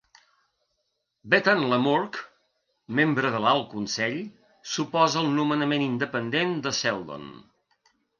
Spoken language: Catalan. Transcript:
Betan Lamurk, membre de l'Alt Consell, s'oposa al nomenament independent de Seldon.